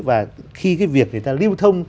và khi cái việc người ta lưu thông